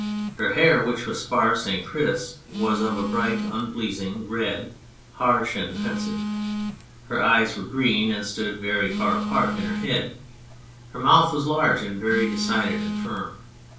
Her hair, which was sparse and crisp, was of a bright, unpleasing red, harsh and offensive ; her eyes were green and stood very far apart in her head ; 168 Astarte her mouth was large and very decided and firm.